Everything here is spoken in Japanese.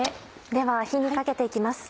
では火にかけて行きます。